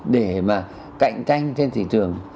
để mà cạnh tranh trên thị trường